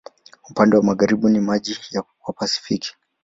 Upande wa magharibi ni maji wa Pasifiki.